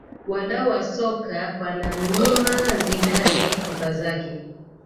Wadau wa soka wanamnyima Zidane sifa zake